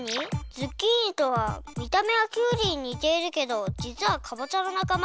ズッキーニとはみためはきゅうりににているけどじつはかぼちゃのなかま。